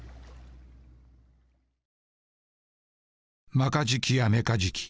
マカジキやメカジキ